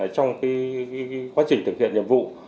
trong quá trình thực hiện nhiệm vụ